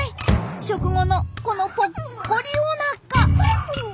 食後のこのぽっこりおなか！